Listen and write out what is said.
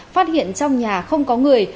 phát hiện trong nhà không có người